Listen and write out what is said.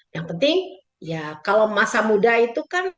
yang penting ya kalau masa muda itu kan